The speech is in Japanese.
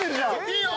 いいよ。